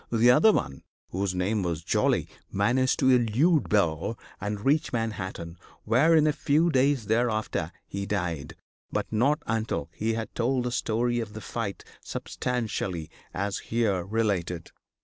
The other one, whose name was Jolly, managed to elude Bill and reach Manhattan, where, in a few days thereafter, he died, but not until he had told the story of the fight substantially as here related.